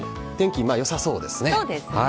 天気、よさそうですね。